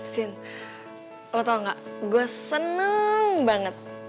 sin lo tau gak gue seneng banget